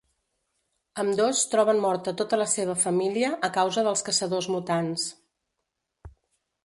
Ambdós troben morta tota la seva família a causa dels caçadors mutants.